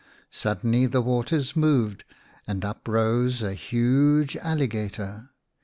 Suddenly the waters moved, and up rose a huge alligator.